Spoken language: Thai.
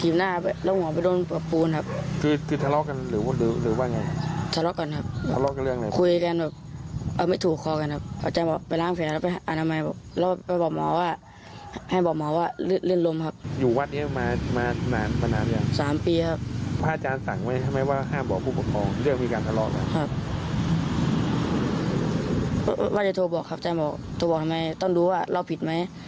ไม่ได้โทรบอกครับจะบอกโทรบอกทำไมต้องรู้ว่าเราผิดไหม